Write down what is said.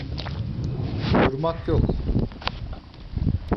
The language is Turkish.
Durmak yok!